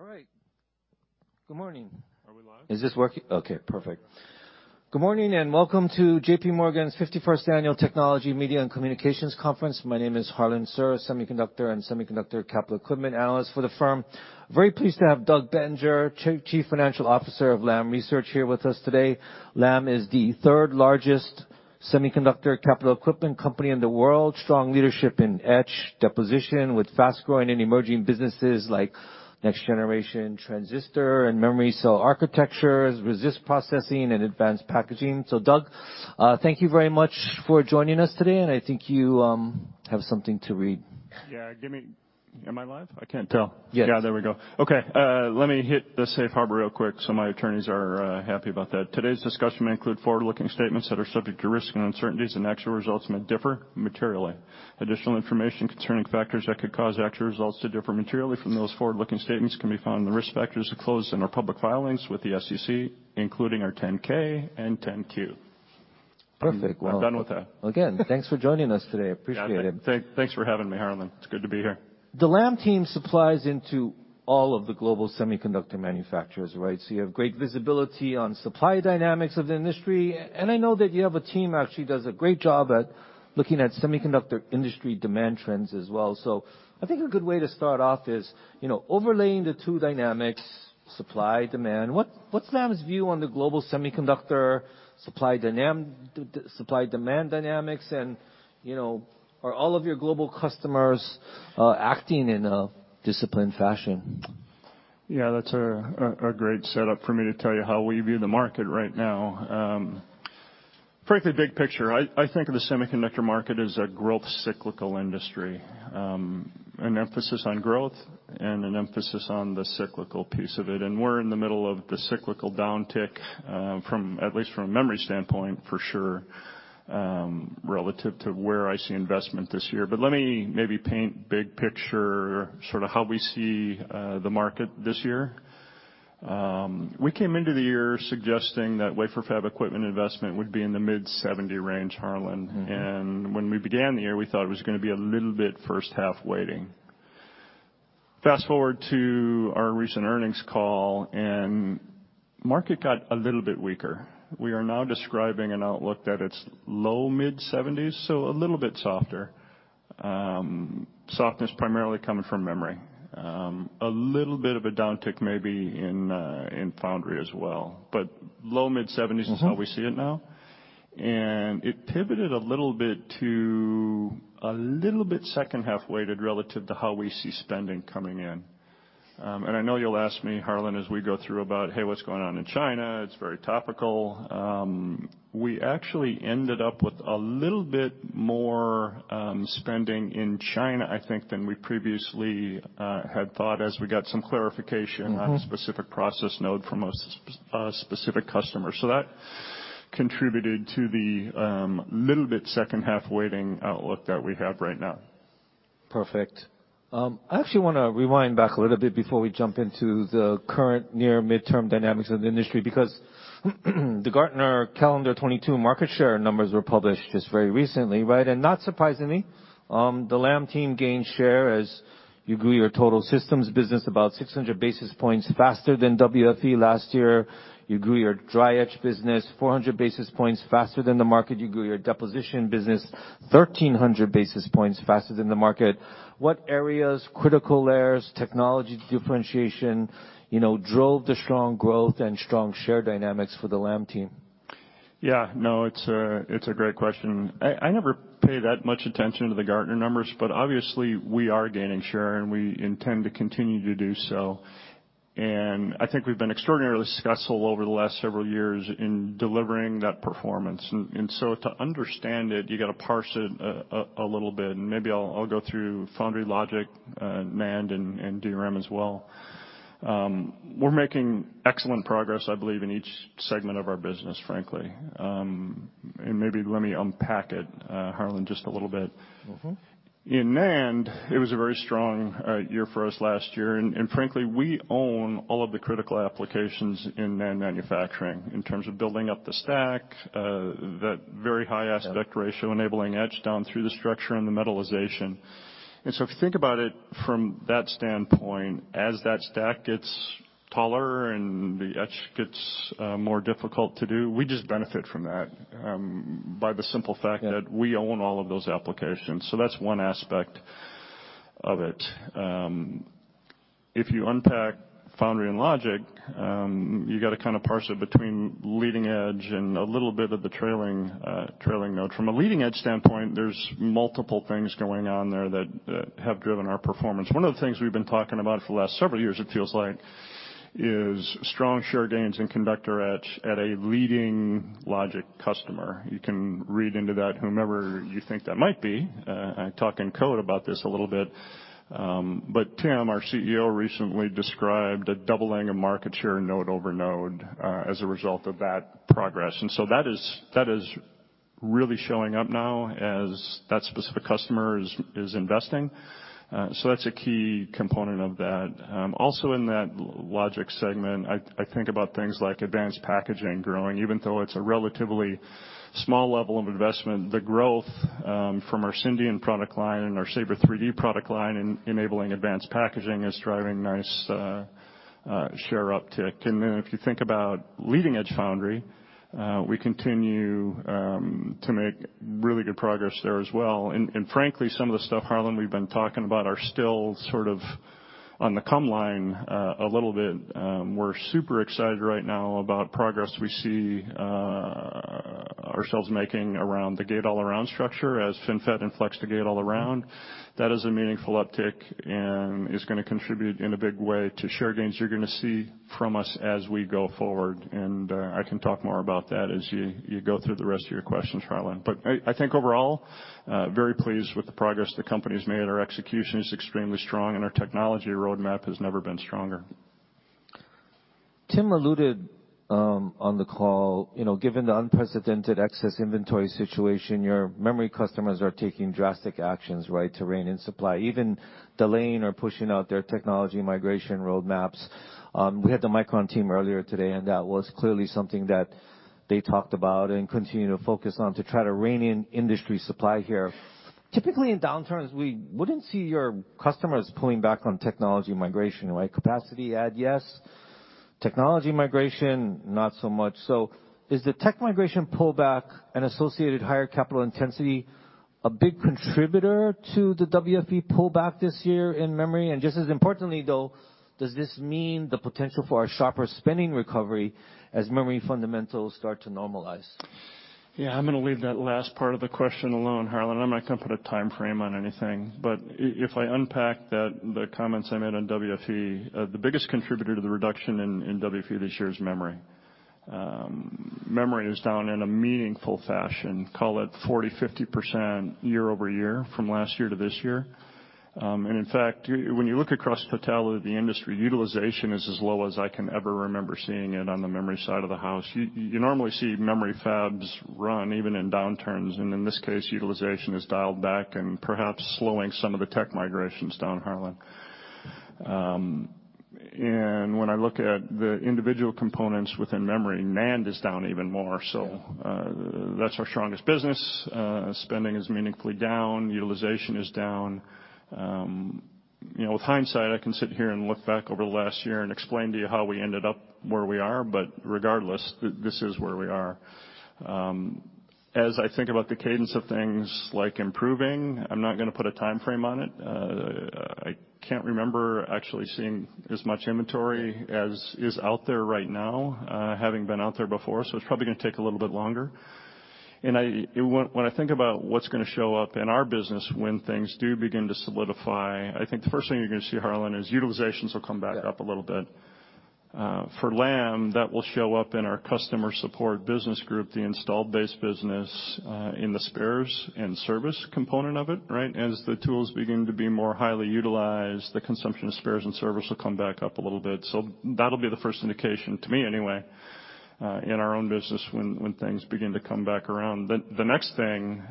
All right. Good morning. Are we live? Good morning, welcome to J.P. Morgan's 51st Annual Technology, Media, and Communications Conference. My name is Harlan Sur, Semiconductor and Semiconductor Capital Equipment analyst for the firm. Very pleased to have Doug Bettinger, Chief Financial Officer of Lam Research, here with us today. Lam is the third-largest semiconductor capital equipment company in the world. Strong leadership in etch deposition with fast-growing and emerging businesses like next-generation transistor and memory cell architectures, resist processing and advanced packaging. Doug, thank you very much for joining us today. I think you have something to read. Yeah, give me... Am I live? I can't tell. Yes. Yeah, there we go. Okay. Let me hit the safe harbor real quick, so my attorneys are happy about that. Today's discussion may include forward-looking statements that are subject to risks and uncertainties, and actual results may differ materially. Additional information concerning factors that could cause actual results to differ materially from those forward-looking statements can be found in the risk factors of closed and/or public filings with the SEC, including our 10-K and 10-Q. Perfect. I'm done with that. Again, thanks for joining us today. Appreciate it. Thanks for having me, Harlan. It's good to be here. The Lam team supplies into all of the global semiconductor manufacturers, right? You have great visibility on supply dynamics of the industry, and I know that you have a team actually does a great job at looking at semiconductor industry demand trends as well. I think a good way to start off is, you know, overlaying the two dynamics, supply, demand, what's Lam's view on the global semiconductor supply-demand dynamics and, you know, are all of your global customers acting in a disciplined fashion? Yeah, that's a, a great setup for me to tell you how we view the market right now. Frankly, big picture, I think of the semiconductor market as a growth cyclical industry, an emphasis on growth and an emphasis on the cyclical piece of it. We're in the middle of the cyclical downtick, from, at least from a memory standpoint, for sure, relative to where I see investment this year. Let me maybe paint big picture sort of how we see the market this year. We came into the year suggesting that wafer fab equipment investment would be in the mid-70 range, Harlan. Mm-hmm. When we began the year, we thought it was gonna be a little bit first half waiting. Fast-forward to our recent earnings call, and market got a little bit weaker. We are now describing an outlook that it's low-mid 70s, so a little bit softer. Softness primarily coming from memory. A little bit of a downtick maybe in foundry as well, but low-mid 70s. Mm-hmm... is how we see it now. It pivoted a little bit to a little bit second half-weighted relative to how we see spending coming in. I know you'll ask me, Harlan, as we go through about, "Hey, what's going on in China?" It's very topical. We actually ended up with a little bit more spending in China, I think, than we previously had thought as we got some clarification... Mm-hmm... on a specific process node from a specific customer. That contributed to the little bit second half waiting outlook that we have right now. Perfect. I actually wanna rewind back a little bit before we jump into the current near midterm dynamics of the industry because the Gartner calendar 2022 market share numbers were published just very recently, right? Not surprisingly, the Lam team gained share as you grew your total systems business about 600 basis points faster than WFE last year. You grew your dry etch business 400 basis points faster than the market. You grew your deposition business 1,300 basis points faster than the market. What areas, critical layers, technology differentiation, you know, drove the strong growth and strong share dynamics for the Lam team? Yeah, no, it's a, it's a great question. I never pay that much attention to the Gartner numbers, but obviously we are gaining share, and we intend to continue to do so. I think we've been extraordinarily successful over the last several years in delivering that performance. To understand it, you gotta parse it a little bit, and maybe I'll go through Foundry Logic, NAND, and DRAM as well. We're making excellent progress, I believe, in each segment of our business, frankly. Maybe let me unpack it, Harlan, just a little bit. Mm-hmm. In NAND, it was a very strong year for us last year, and frankly, we own all of the critical applications in NAND manufacturing in terms of building up the stack, that very high aspect ratio. Yeah... enabling etch down through the structure and the metallization. If you think about it from that standpoint, as that stack gets taller and the etch gets more difficult to do, we just benefit from that by the simple fact. Yeah That's one aspect of it. If you unpack foundry and logic, you gotta kinda parse it between leading edge and a little bit of the trailing node. From a leading edge standpoint, there's multiple things going on there that have driven our performance. One of the things we've been talking about for the last several years, it feels like, is strong share gains in conductor etch at a leading logic customer. You can read into that whomever you think that might be. I talk in code about this a little bit. Tim, our CEO, recently described a doubling of market share node over node as a result of that progress. That is really showing up now as that specific customer is investing. That's a key component of that. Also in that logic segment, I think about things like advanced packaging growing. Even though it's a relatively small level of investment, the growth from our Syndion product line and our SABRE 3D product line in enabling advanced packaging is driving nice share uptick. If you think about leading edge foundry, we continue to make really good progress there as well. Frankly, some of the stuff, Harlan, we've been talking about are still sort of on the come line a little bit. We're super excited right now about progress we see ourselves making around the gate-all-around structure as FinFET and Flex to gate-all-around. That is a meaningful uptick and is gonna contribute in a big way to share gains you're gonna see from us as we go forward. I can talk more about that as you go through the rest of your questions, Harlan. I think overall, very pleased with the progress the company's made. Our execution is extremely strong, and our technology roadmap has never been stronger. Tim alluded, on the call, you know, given the unprecedented excess inventory situation, your memory customers are taking drastic actions, right? To rein in supply, even delaying or pushing out their technology migration roadmaps. We had the Micron team earlier today, and that was clearly something that they talked about and continue to focus on to try to rein in industry supply here. Typically, in downturns, we wouldn't see your customers pulling back on technology migration, right? Capacity add, yes. Technology migration, not so much. Is the tech migration pullback and associated higher capital intensity a big contributor to the WFE pullback this year in memory? Just as importantly, though, does this mean the potential for a sharper spending recovery as memory fundamentals start to normalize? Yeah, I'm gonna leave that last part of the question alone, Harlan. I'm not gonna put a timeframe on anything. If I unpack that, the comments I made on WFE, the biggest contributor to the reduction in WFE this year is memory. Memory is down in a meaningful fashion, call it 40%-50% year-over-year from last year to this year. In fact, when you look across the totality of the industry, utilization is as low as I can ever remember seeing it on the memory side of the house. You normally see memory fabs run even in downturns, and in this case, utilization is dialed back and perhaps slowing some of the tech migrations down, Harlan. When I look at the individual components within memory, NAND is down even more so. That's our strongest business. Spending is meaningfully down, utilization is down. You know, with hindsight, I can sit here and look back over the last year and explain to you how we ended up where we are, but regardless, this is where we are. As I think about the cadence of things like improving, I'm not gonna put a timeframe on it. I can't remember actually seeing as much inventory as is out there right now, having been out there before, so it's probably gonna take a little bit longer. When I think about what's gonna show up in our business when things do begin to solidify, I think the first thing you're gonna see, Harlan, is utilizations will come back up a little bit. For Lam, that will show up in our Customer Support Business Group, the installed base business, in the spares and service component of it, right? As the tools begin to be more highly utilized, the consumption of spares and service will come back up a little bit. That'll be the first indication, to me anyway, in our own business when things begin to come back around. The next thing,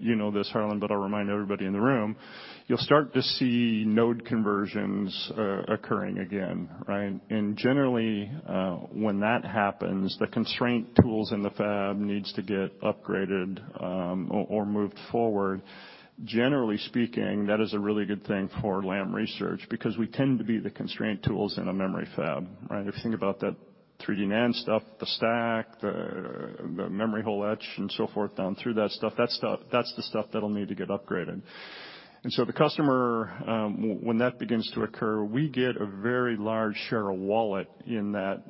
you know this, Harlan, I'll remind everybody in the room, you'll start to see node conversions occurring again, right? Generally, when that happens, the constraint tools in the fab needs to get upgraded or moved forward. Generally speaking, that is a really good thing for Lam Research because we tend to be the constraint tools in a memory fab, right? If you think about that 3D NAND stuff, the stack, the memory hole etch and so forth down through that stuff, that's the stuff that'll need to get upgraded. The customer, when that begins to occur, we get a very large share of wallet in that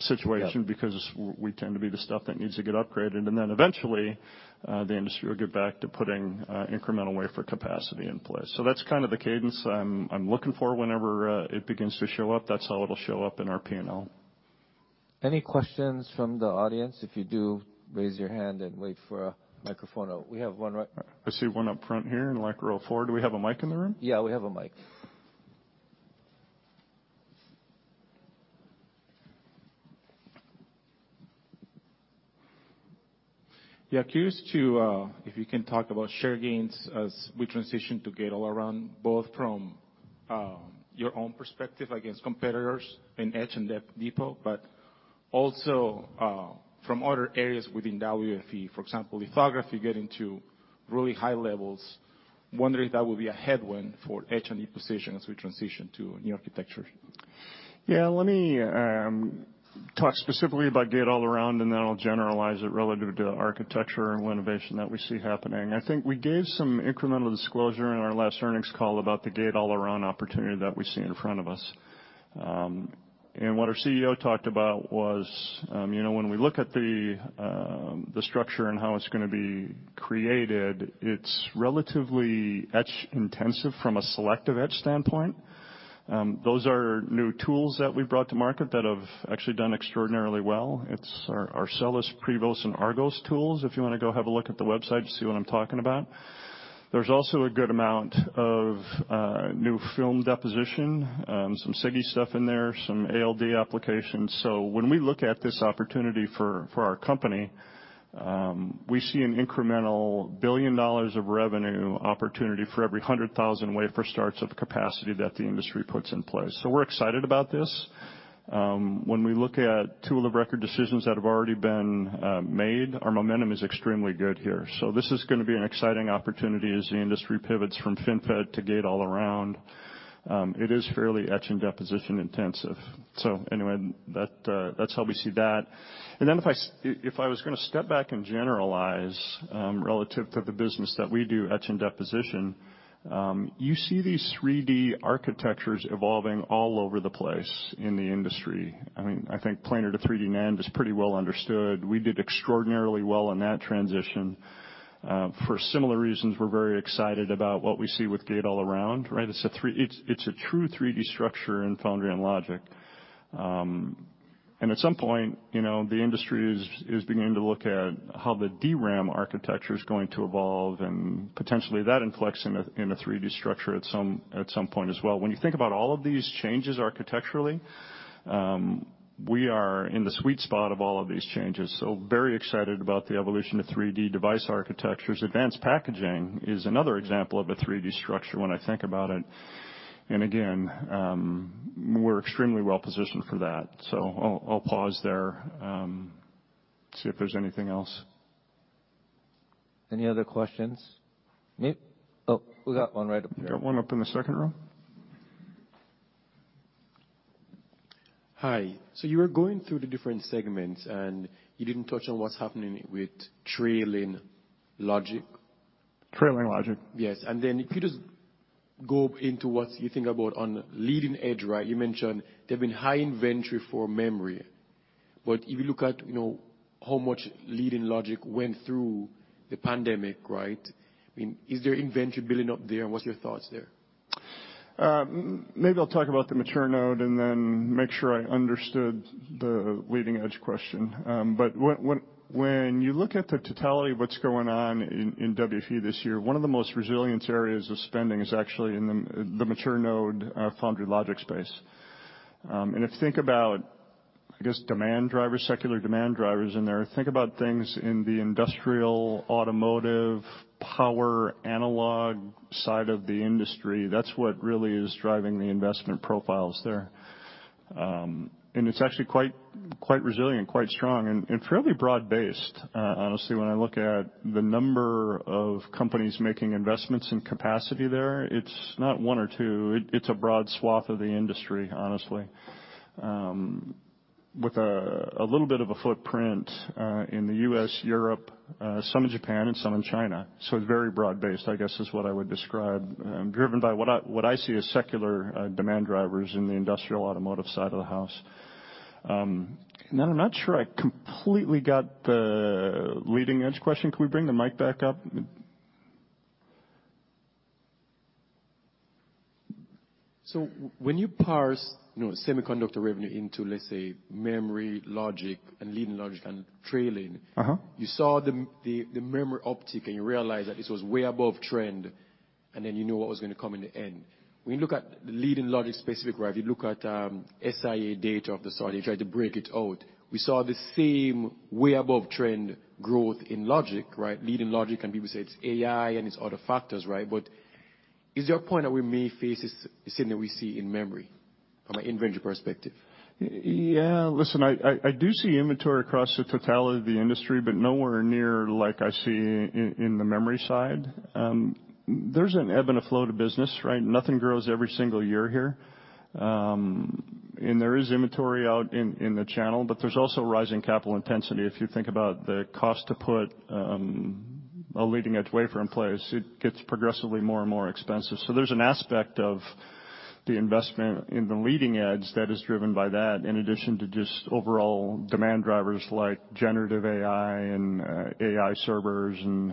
situation. Yeah... because we tend to be the stuff that needs to get upgraded. Eventually, the industry will get back to putting incremental wafer capacity in place. That's kind of the cadence I'm looking for whenever it begins to show up. That's how it'll show up in our P&L. Any questions from the audience? If you do, raise your hand and wait for a microphone. We have one right- I see one up front here in like row four. Do we have a mic in the room? Yeah, we have a mic. Yeah. Curious to, if you can talk about share gains as we transition to gate-all-around, both from your own perspective against competitors in etch and deposition, but also from other areas within WFE. For example, lithography getting to really high levels. Wondering if that will be a headwind for etch and dep positions as we transition to new architectures. Let me talk specifically about gate-all-around, and then I'll generalize it relative to architecture and what innovation that we see happening. I think we gave some incremental disclosure in our last earnings call about the gate-all-around opportunity that we see in front of us. What our CEO talked about was, you know, when we look at the structure and how it's gonna be created, it's relatively etch-intensive from a selective etch standpoint. Those are new tools that we've brought to market that have actually done extraordinarily well. It's our SeLiS, Prevos, and Argos tools, if you wanna go have a look at the website to see what I'm talking about. There's also a good amount of new film deposition, some SiGe stuff in there, some ALD applications. When we look at this opportunity for our company, we see an incremental $1 billion of revenue opportunity for every 100,000 wafer starts of capacity that the industry puts in place. We're excited about this. When we look at two of the record decisions that have already been made, our momentum is extremely good here. This is gonna be an exciting opportunity as the industry pivots from FinFET to gate-all-around. It is fairly etch and deposition intensive. Anyway, that's how we see that. If I was gonna step back and generalize, relative to the business that we do, etch and deposition, you see these 3D architectures evolving all over the place in the industry. I mean, I think planar to 3D NAND is pretty well understood. We did extraordinarily well in that transition. For similar reasons, we're very excited about what we see with gate-all-around, right? It's a true 3D structure in Foundry and Logic. At some point, you know, the industry is beginning to look at how the DRAM architecture is going to evolve and potentially that influx in a 3D structure at some point as well. When you think about all of these changes architecturally, we are in the sweet spot of all of these changes, so very excited about the evolution of 3D device architectures. Advanced packaging is another example of a 3D structure when I think about it. Again, we're extremely well positioned for that. I'll pause there, see if there's anything else. Any other questions? Nick? Oh, we got one right up here. Got one up in the second row. Hi. You were going through the different segments, and you didn't touch on what's happening with trailing logic. Trailing logic? Yes. If you just go into what you think about on leading edge, right? You mentioned there have been high inventory for memory. If you look at, you know, how much leading logic went through the pandemic, right? I mean, is there inventory building up there? What's your thoughts there? Maybe I'll talk about the mature node and then make sure I understood the leading edge question. When you look at the totality of what's going on in WFE this year, one of the most resilient areas of spending is actually in the mature node, foundry logic space. If you think about, I guess, demand drivers, secular demand drivers in there, think about things in the industrial, automotive, power, analog side of the industry. That's what really is driving the investment profiles there. It's actually quite resilient, quite strong and fairly broad-based, honestly, when I look at the number of companies making investments in capacity there. It's not one or two. It's a broad swath of the industry, honestly, with a little bit of a footprint in the U.S., Europe, some in Japan and some in China. It's very broad-based, I guess is what I would describe, driven by what I see as secular demand drivers in the industrial automotive side of the house. Now I'm not sure I completely got the leading edge question. Can we bring the mic back up? When you parse, you know, semiconductor revenue into, let's say, memory, logic, and leading logic and trailing. Uh-huh. you saw the memory uptick, and you realized that this was way above trend, and then you knew what was gonna come in the end. When you look at the leading logic specific, right? If you look at SIA data of the sort and you try to break it out, we saw the same way above trend growth in logic, right? Leading logic, and people say it's AI and it's other factors, right? Is there a point that we may face the same that we see in memory from an inventory perspective? Listen, I do see inventory across the totality of the industry, but nowhere near like I see in the memory side. There's an ebb and a flow to business, right? Nothing grows every single year here. There is inventory out in the channel, but there's also rising capital intensity. If you think about the cost to put a leading-edge wafer in place, it gets progressively more and more expensive. There's an aspect of the investment in the leading edge that is driven by that, in addition to just overall demand drivers like generative AI and AI servers and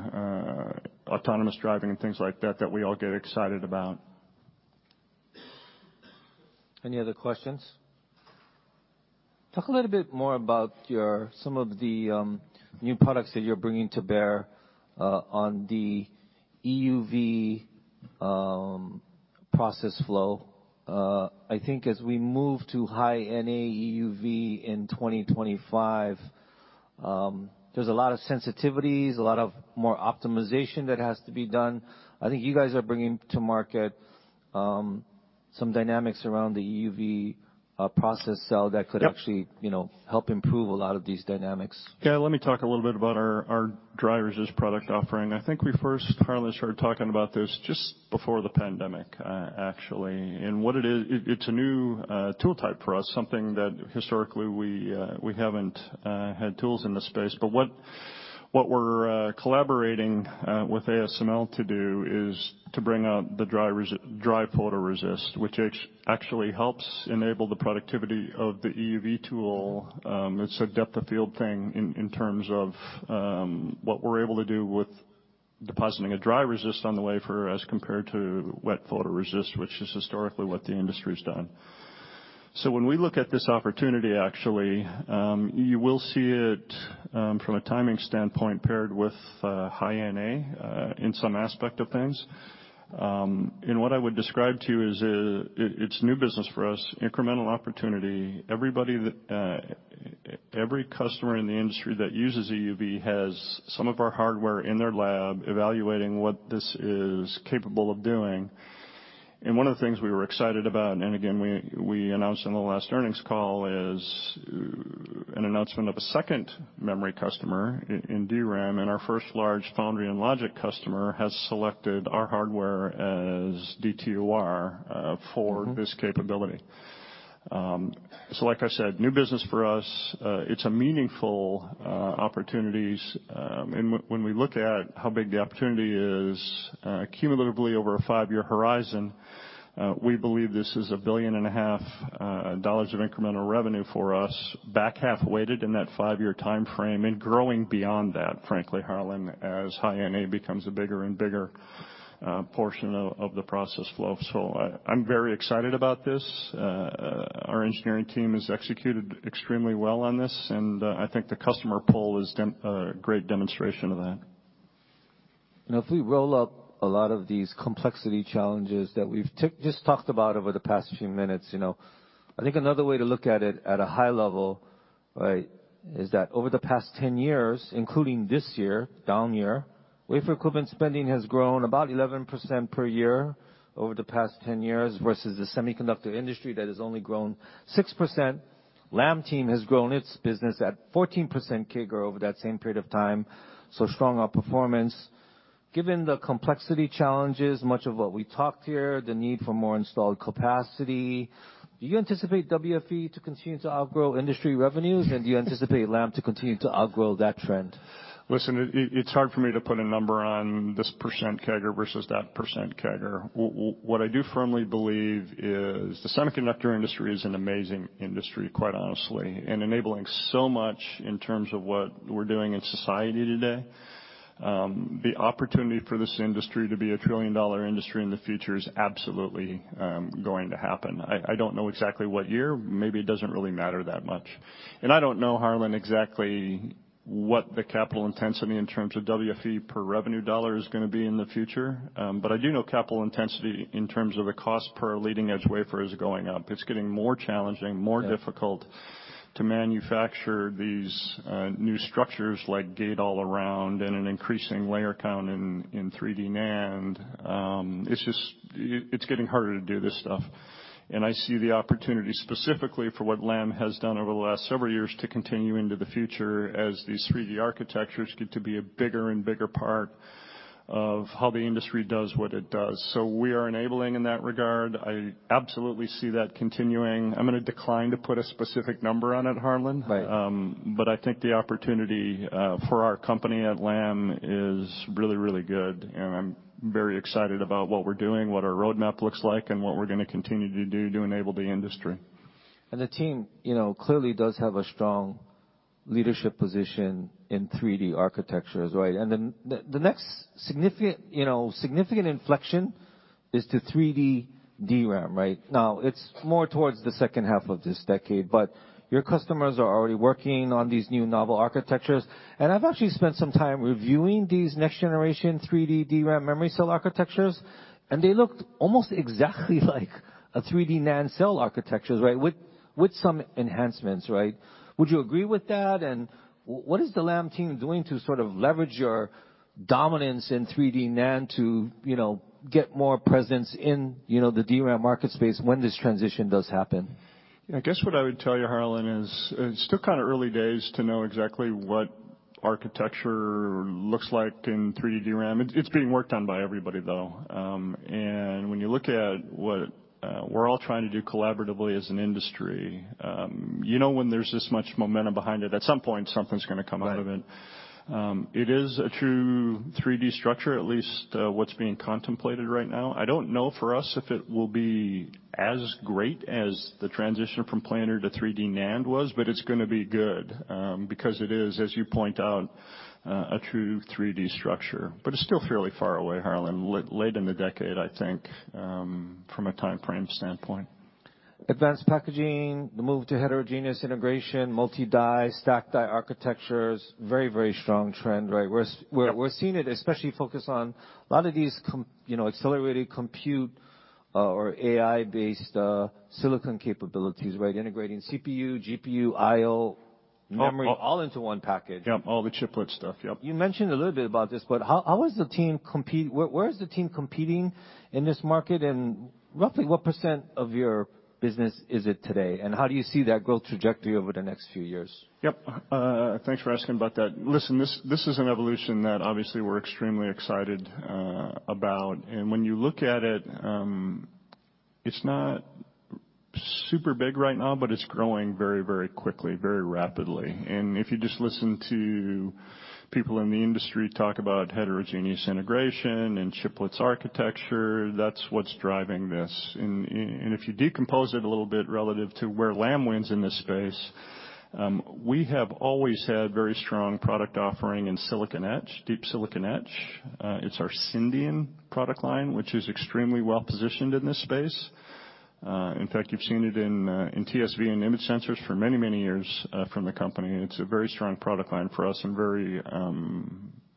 autonomous driving and things like that we all get excited about. Any other questions? Talk a little bit more about your some of the new products that you're bringing to bear on the EUV process flow. I think as we move to High NA EUV in 2025, there's a lot of sensitivities, a lot of more optimization that has to be done. I think you guys are bringing to market some dynamics around the EUV process cell that could actually. Yep. You know, help improve a lot of these dynamics. Yeah. Let me talk a little bit about our Dry Resist product offering. I think we first probably started talking about this just before the pandemic, actually. What it is, it's a new tool type for us, something that historically we haven't had tools in this space. What we're collaborating with ASML to do is to bring out the Dry Photoresist, which actually helps enable the productivity of the EUV tool. It's a depth of field thing in terms of what we're able to do with depositing a Dry Resist on the wafer as compared to Wet Photoresist, which is historically what the industry's done. When we look at this opportunity, actually, you will see it from a timing standpoint paired with High NA in some aspect of things. What I would describe to you is new business for us, incremental opportunity. Everybody that every customer in the industry that uses EUV has some of our hardware in their lab evaluating what this is capable of doing. One of the things we were excited about, and again, we announced on the last earnings call, is an announcement of a second memory customer in DRAM, and our first large foundry and logic customer has selected our hardware as DTOR for this capability. Like I said, new business for us. It's a meaningful opportunities, and when we look at how big the opportunity is, cumulatively over a five-year horizon, we believe this is a billion and a half dollars of incremental revenue for us, back half weighted in that five-year timeframe and growing beyond that, frankly, Harlan, as High NA becomes a bigger and bigger portion of the process flow. I'm very excited about this. Our engineering team has executed extremely well on this, and I think the customer poll is a great demonstration of that. Now, if we roll up a lot of these complexity challenges that we've just talked about over the past few minutes, you know, I think another way to look at it at a high level, right, is that over the past 10 years, including this year, down year, wafer equipment spending has grown about 11% per year over the past 10 years, versus the semiconductor industry that has only grown 6%. Lam team has grown its business at 14% CAGR over that same period of time, so strong outperformance. Given the complexity challenges, much of what we talked here, the need for more installed capacity, do you anticipate WFE to continue to outgrow industry revenues? Do you anticipate Lam to continue to outgrow that trend? Listen, it's hard for me to put a number on this percent CAGR versus that percent CAGR. What I do firmly believe is the semiconductor industry is an amazing industry, quite honestly, and enabling so much in terms of what we're doing in society today. The opportunity for this industry to be a $1 trillion industry in the future is absolutely going to happen. I don't know exactly what year. Maybe it doesn't really matter that much. I don't know, Harlan, exactly what the capital intensity in terms of WFE per revenue $ is gonna be in the future, but I do know capital intensity in terms of the cost per leading edge wafer is going up. It's getting more challenging, more difficult. Yeah. to manufacture these new structures like gate-all-around and an increasing layer count in 3D NAND. It's getting harder to do this stuff. I see the opportunity specifically for what Lam has done over the last several years to continue into the future as these 3D architectures get to be a bigger and bigger part of how the industry does what it does. We are enabling in that regard. I absolutely see that continuing. I'm gonna decline to put a specific number on it, Harlan. Right. I think the opportunity for our company at Lam is really, really good, and I'm very excited about what we're doing, what our roadmap looks like, and what we're gonna continue to do to enable the industry. The team, you know, clearly does have a strong leadership position in 3D architectures, right? The next significant, you know, significant inflection is to 3D DRAM, right? Now, it's more towards the second half of this decade, but your customers are already working on these new novel architectures. I've actually spent some time reviewing these next generation 3D DRAM memory cell architectures, and they looked almost exactly like a 3D NAND cell architectures, right? With some enhancements, right? Would you agree with that? What is the Lam team doing to sort of leverage your dominance in 3D NAND to, you know, get more presence in, you know, the DRAM market space when this transition does happen? I guess what I would tell you, Harlan, is it's still kind of early days to know exactly what architecture looks like in 3D DRAM. It's being worked on by everybody, though. When you look at what we're all trying to do collaboratively as an industry, you know when there's this much momentum behind it, at some point, something's gonna come out of it. Right. It is a true 3D structure, at least, what's being contemplated right now. I don't know for us if it will be as great as the transition from planar to 3D NAND was, but it's gonna be good, because it is, as you point out, a true 3D structure. It's still fairly far away, Harlan. Late in the decade, I think, from a timeframe standpoint. Advanced packaging, the move to heterogeneous integration, multi-die, stack die architectures, very, very strong trend, right? We're seeing it especially focused on a lot of these You know, accelerated compute, or AI-based silicon capabilities, right? Integrating CPU, GPU, IO, memory. All, all- all into one package. Yep, all the chiplet stuff. Yep. You mentioned a little bit about this, how is the team competing in this market, and roughly what % of your business is it today, and how do you see that growth trajectory over the next few years? Yep. Thanks for asking about that. Listen, this is an evolution that obviously we're extremely excited about. When you look at it's not super big right now, but it's growing very, very quickly, very rapidly. If you just listen to people in the industry talk about heterogeneous integration and chiplets architecture, that's what's driving this. If you decompose it a little bit relative to where Lam wins in this space, we have always had very strong product offering in silicon etch, deep silicon etch. It's our Syndion product line, which is extremely well-positioned in this space. In fact, you've seen it in TSV and image sensors for many, many years from the company. It's a very strong product line for us and very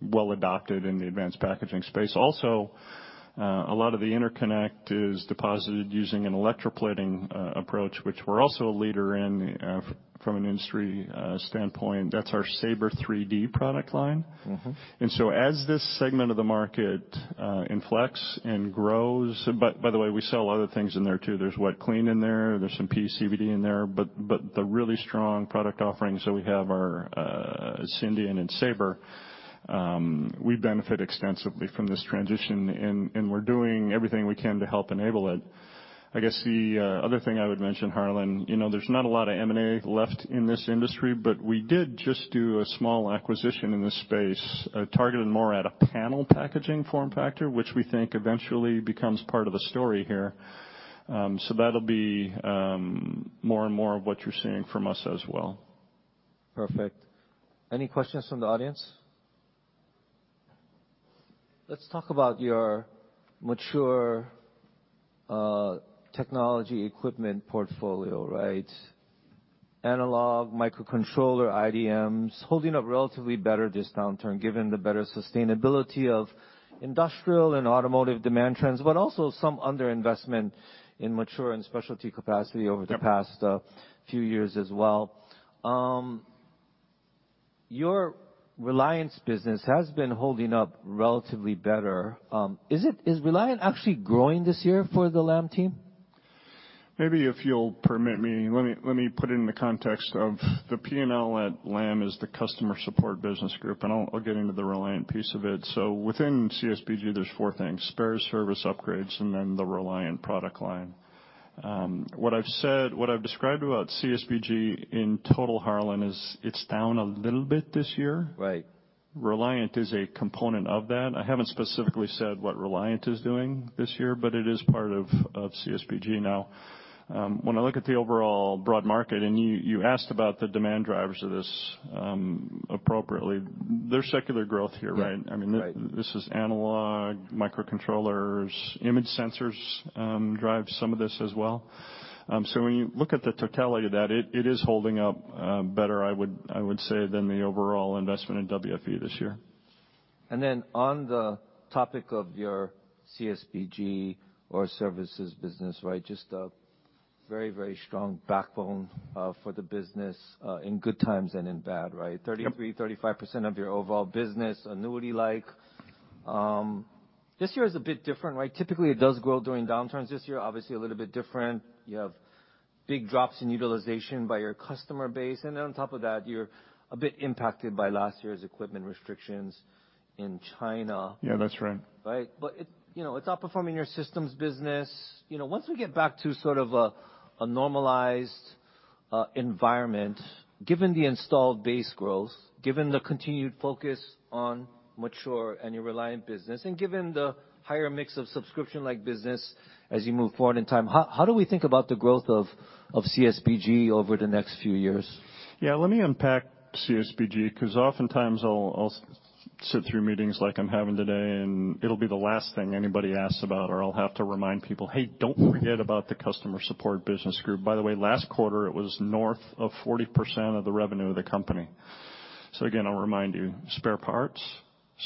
well adopted in the advanced packaging space. A lot of the interconnect is deposited using an electroplating approach, which we're also a leader in from an industry standpoint. That's our SABRE 3D product line. Mm-hmm. As this segment of the market, inflex and grows... By the way, we sell other things in there, too. There's wet clean in there's some PECVD in there, but the really strong product offerings that we have are Syndion and SABRE. We benefit extensively from this transition, and we're doing everything we can to help enable it. I guess the other thing I would mention, Harlan, you know, there's not a lot of M&A left in this industry, but we did just do a small acquisition in this space, targeted more at a panel-level packaging form factor, which we think eventually becomes part of the story here. That'll be more and more of what you're seeing from us as well. Perfect. Any questions from the audience? Let's talk about your mature technology equipment portfolio, right? Analog, microcontroller, IDMs, holding up relatively better this downturn, given the better sustainability of industrial and automotive demand trends, but also some underinvestment in mature and specialty capacity. Yep. the past, few years as well. Your Reliant business has been holding up relatively better. Is Reliant actually growing this year for the Lam team? Maybe if you'll permit me, let me put it in the context of the P&L at Lam is the Customer Support Business Group, and I'll get into the Reliant piece of it. Within CSBG, there's four things: spares, service, upgrades, and then the Reliant product line. What I've described about CSBG in total, Harlan, is it's down a little bit this year. Right. Reliant is a component of that. I haven't specifically said what Reliant is doing this year. It is part of CSBG now. When I look at the overall broad market, you asked about the demand drivers of this. Appropriately, there's secular growth here, right? Yeah. Right. I mean, this is analog, microcontrollers, image sensors, drive some of this as well. When you look at the totality of that, it is holding up better, I would say, than the overall investment in WFE this year. On the topic of your CSBG or services business, right, just a very strong backbone for the business in good times and in bad, right? Yep. 33%-35% of your overall business, annuity-like. This year is a bit different, right? Typically, it does grow during downturns. This year, obviously a little bit different. You have big drops in utilization by your customer base, and then on top of that, you're a bit impacted by last year's equipment restrictions in China. Yeah, that's right. Right? It, you know, it's outperforming your systems business. Once we get back to sort of a normalized environment, given the installed base growth, given the continued focus on mature and your Reliant business, and given the higher mix of subscription-like business as you move forward in time, how do we think about the growth of CSBG over the next few years? Yeah, let me unpack CSBG, 'cause oftentimes I'll sit through meetings like I'm having today, and it'll be the last thing anybody asks about, or I'll have to remind people, "Hey, don't forget about the Customer Support Business Group." By the way, last quarter, it was north of 40% of the revenue of the company. Again, I'll remind you, spare parts,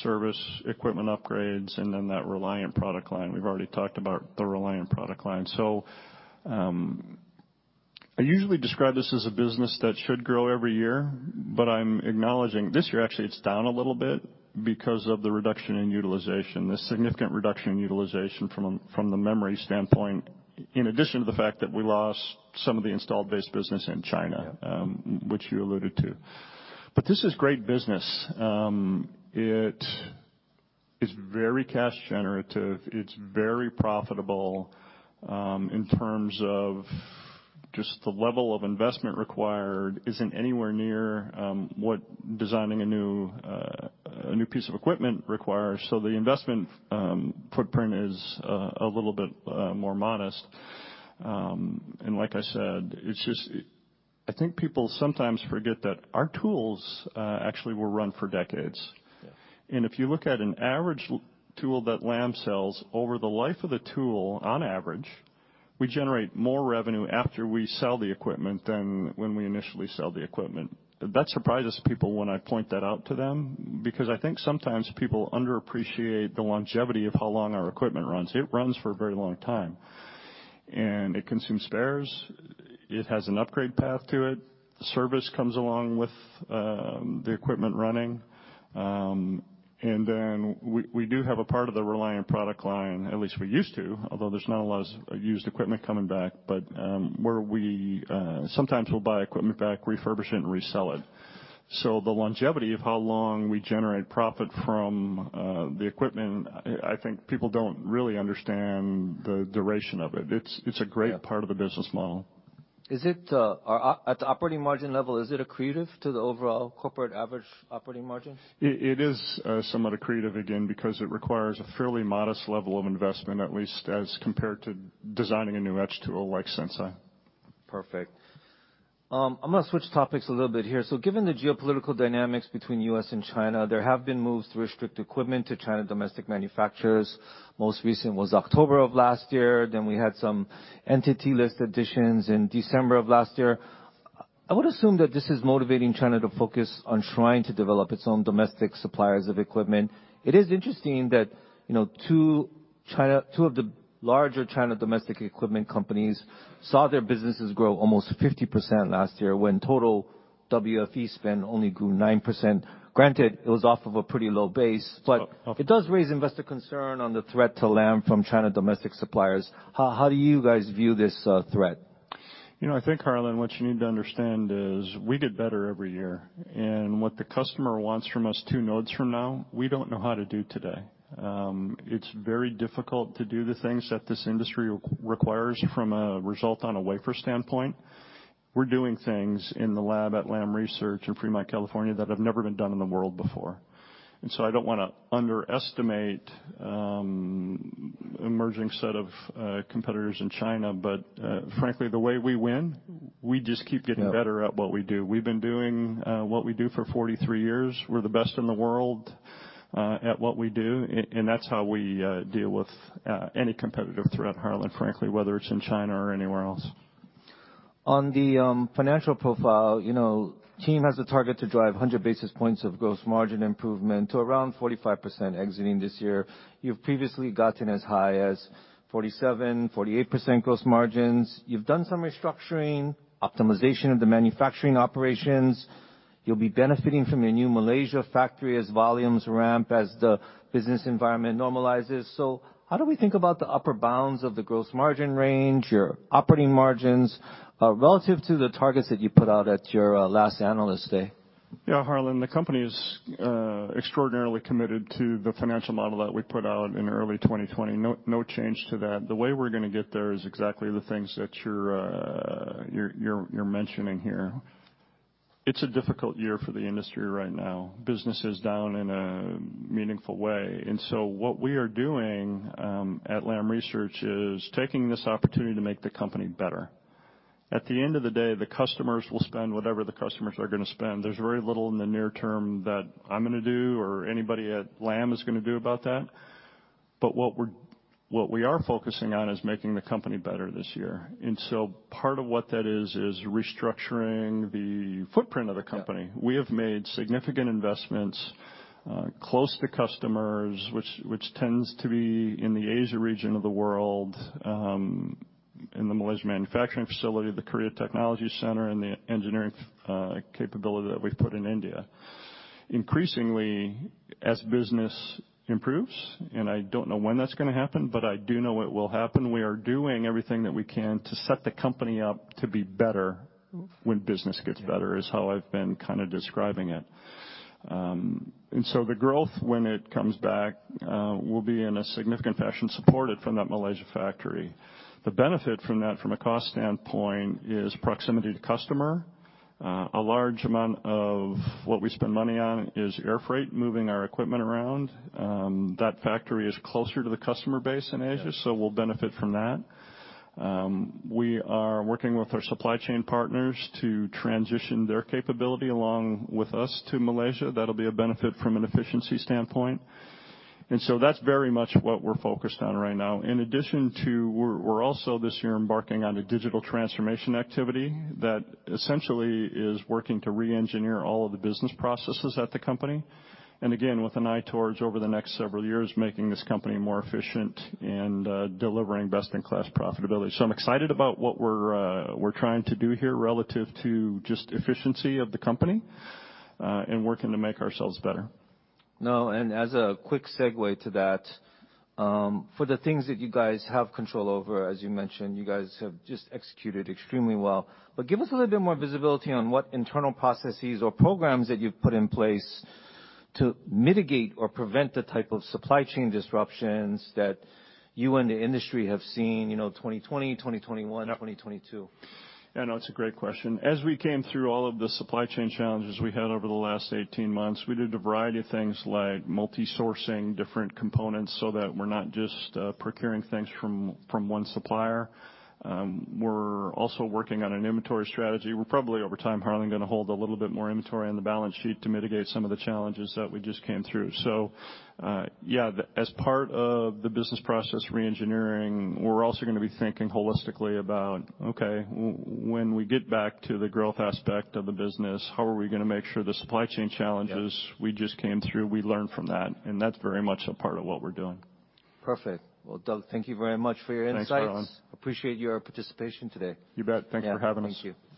service, equipment upgrades, and then that Reliant product line. We've already talked about the Reliant product line. I usually describe this as a business that should grow every year, but I'm acknowledging this year, actually, it's down a little bit because of the reduction in utilization, the significant reduction in utilization from the memory standpoint, in addition to the fact that we lost some of the installed base business in China. Yeah. Which you alluded to. This is great business. It is very cash generative. It's very profitable, in terms of just the level of investment required isn't anywhere near what designing a new piece of equipment requires. The investment footprint is a little bit more modest. Like I said, it's just, I think people sometimes forget that our tools actually will run for decades. Yeah. If you look at an average tool that Lam sells, over the life of the tool, on average, we generate more revenue after we sell the equipment than when we initially sell the equipment. That surprises people when I point that out to them, because I think sometimes people underappreciate the longevity of how long our equipment runs. It runs for a very long time, and it consumes spares, it has an upgrade path to it, the service comes along with the equipment running. We, we do have a part of the Reliant product line, at least we used to, although there's not a lot of used equipment coming back, but where we sometimes we'll buy equipment back, refurbish it, and resell it. The longevity of how long we generate profit from the equipment, I think people don't really understand the duration of it. It's a great part of the business model. Is it, or at the operating margin level, is it accretive to the overall corporate average operating margin? It is somewhat accretive, again, because it requires a fairly modest level of investment, at least as compared to designing a new etch tool like Sense.i. Perfect. I'm gonna switch topics a little bit here. Given the geopolitical dynamics between U.S. and China, there have been moves to restrict equipment to China domestic manufacturers. Most recent was October of last year, then we had some entity list additions in December of last year. I would assume that this is motivating China to focus on trying to develop its own domestic suppliers of equipment. It is interesting that, you know, two of the larger China domestic equipment companies saw their businesses grow almost 50% last year, when total WFE spend only grew 9%. Granted, it was off of a pretty low base. Off. It does raise investor concern on the threat to Lam from China domestic suppliers. How do you guys view this, threat? You know, I think, Harlan, what you need to understand is we get better every year, and what the customer wants from us two nodes from now, we don't know how to do today. It's very difficult to do the things that this industry requires from a result on a wafer standpoint. We're doing things in the lab at Lam Research in Fremont, California, that have never been done in the world before. I don't wanna underestimate emerging set of competitors in China, but frankly, the way we win, we just keep getting- Yeah. better at what we do. We've been doing, what we do for 43 years. We're the best in the world, at what we do and that's how we deal with any competitive threat, Harlan, frankly, whether it's in China or anywhere else. On the, you know, team has a target to drive 100 basis points of gross margin improvement to around 45% exiting this year. You've previously gotten as high as 47%-48% gross margins. You've done some restructuring, optimization of the manufacturing operations. You'll be benefiting from your new Malaysia factory as volumes ramp, as the business environment normalizes. How do we think about the upper bounds of the gross margin range, your operating margins, relative to the targets that you put out at your last analyst day? Yeah, Harlan, the company is extraordinarily committed to the financial model that we put out in early 2020. No change to that. The way we're gonna get there is exactly the things that you're mentioning here. It's a difficult year for the industry right now. Business is down in a meaningful way. What we are doing at Lam Research is taking this opportunity to make the company better. At the end of the day, the customers will spend whatever the customers are gonna spend. There's very little in the near term that I'm gonna do, or anybody at Lam is gonna do about that. What we are focusing on is making the company better this year. Part of what that is is restructuring the footprint of the company. Yeah. We have made significant investments close to customers, which tends to be in the Asia region of the world, in the Malaysia manufacturing facility, the Korea Technology Center, and the engineering capability that we've put in India. Increasingly, as business improves, and I don't know when that's gonna happen, but I do know it will happen, we are doing everything that we can to set the company up to be better when business gets better, is how I've been kinda describing it. The growth when it comes back will be in a significant fashion supported from that Malaysia factory. The benefit from that from a cost standpoint is proximity to customer. A large amount of what we spend money on is air freight, moving our equipment around. That factory is closer to the customer base in Asia- Yeah. We'll benefit from that. We are working with our supply chain partners to transition their capability along with us to Malaysia. That'll be a benefit from an efficiency standpoint. That's very much what we're focused on right now. In addition to, we're also this year embarking on a digital transformation activity that essentially is working to re-engineer all of the business processes at the company, and again, with an eye towards over the next several years, making this company more efficient and delivering best-in-class profitability. I'm excited about what we're trying to do here relative to just efficiency of the company and working to make ourselves better. No, as a quick segue to that, for the things that you guys have control over, as you mentioned, you guys have just executed extremely well. Give us a little bit more visibility on what internal processes or programs that you've put in place to mitigate or prevent the type of supply chain disruptions that you and the industry have seen, you know, 2020, 2021? Yeah. -2022. Yeah, no, it's a great question. As we came through all of the supply chain challenges we had over the last 18 months, we did a variety of things like multi-sourcing different components so that we're not just procuring things from one supplier. We're also working on an inventory strategy. We're probably over time, Harlan, gonna hold a little bit more inventory on the balance sheet to mitigate some of the challenges that we just came through. Yeah, the as part of the business process re-engineering, we're also gonna be thinking holistically about, okay, when we get back to the growth aspect of the business, how are we gonna make sure the supply chain challenges- Yeah. we just came through, we learn from that, and that's very much a part of what we're doing. Perfect. Doug, thank you very much for your insights. Thanks, Harlan. Appreciate your participation today. You bet. Thank you for having us. Yeah. Thank you.